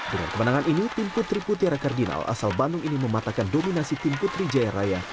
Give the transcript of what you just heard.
dengan kemenangan ini tim putri putiara kardinal asal bandung ini mematakan dominasi tim putri jaya raya